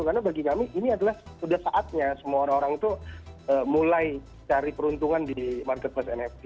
karena bagi kami ini adalah sudah saatnya semua orang orang itu mulai cari peruntungan di marketplace nft